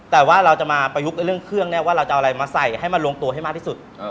แต่ว่าเราจะมาประยุกต์เรื่องเครื่องแน่ว่าเราจะเอาอะไรมาใส่ให้มันลงตัวให้มากที่สุด